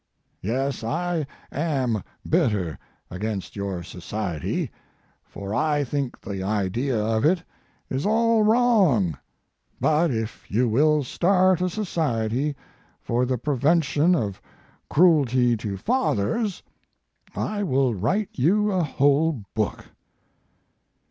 Yes, I am bitter against your society, for I think the idea of it is all wrong; but, if you will start a society for the prevention of cruelty to fathers, I will write you a whole book."